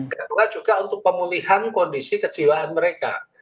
kedua juga untuk pemulihan kondisi kejiwaan mereka